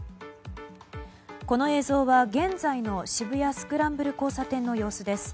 この映像は、現在の渋谷スクランブル交差点の様子です。